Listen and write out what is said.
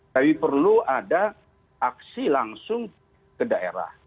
tapi perlu ada aksi langsung ke daerah